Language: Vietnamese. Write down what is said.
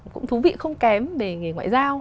cũng thú vị không kém về nghề ngoại giao